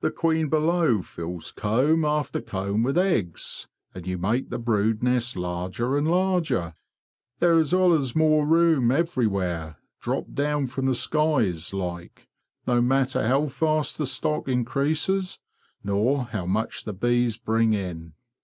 The queen below fills comb after comb with eggs, and you make the brood nest larger and larger. There is allers more room everywhere, dropped down from the skies, like; no matter how fast the stock increases, nor how much the bees bring in.